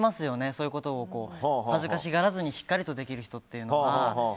そういうことを恥ずかしがらずにしっかりとできる人というのは。